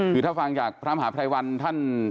คือถ้าฟังจากพระมหาภัยวันท่าน